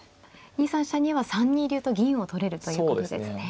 ２三飛車には３二竜と銀を取れるということですね。